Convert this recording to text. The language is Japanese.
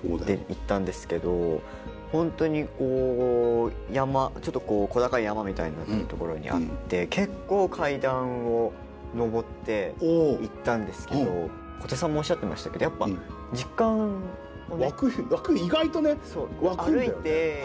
行ったんですけど本当にこうちょっと小高い山みたいになってる所にあって結構階段を上って行ったんですけど小手さんもおっしゃってましたけどやっぱ実感をね。湧く意外とね湧くんだよね。